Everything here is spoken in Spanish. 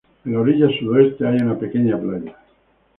En la orilla sudoeste hay una pequeña playa.